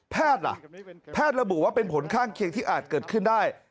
ล่ะแพทย์ระบุว่าเป็นผลข้างเคียงที่อาจเกิดขึ้นได้